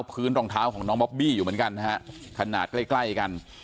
พื้นรองเท้าของน้องบอบบี้อยู่เหมือนกันนะฮะขนาดใกล้ใกล้กัน